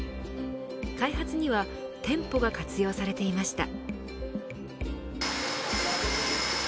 開発には店舗が活用されていました。